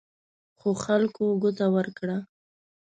خو خلکو ګوته ورکړه.